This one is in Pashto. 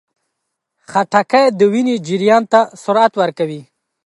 خټکی د وینې جریان ته سرعت ورکوي.